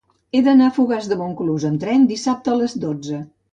He d'anar a Fogars de Montclús amb tren dissabte a les dotze.